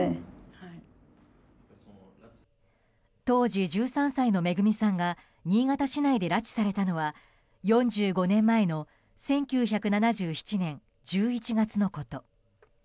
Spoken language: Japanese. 当時１３歳のめぐみさんが新潟市内で拉致されたのは４５年前の１９７７年１１月のこと。